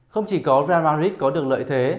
không chỉ có real madrid có được lợi thế